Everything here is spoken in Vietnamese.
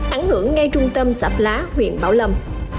ảnh hưởng ngay trung tâm sạp lá huyện bảo lâm